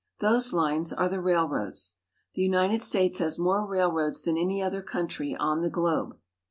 Those lines are the railroads. The United States has more railroads than any other country on the globe.